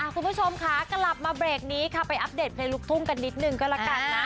คุณผู้ชมค่ะกลับมาเบรกนี้ค่ะไปอัปเดตเพลงลูกทุ่งกันนิดนึงก็ละกันนะ